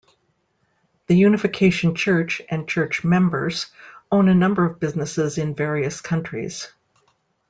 The Unification Church and church members own a number of businesses in various countries.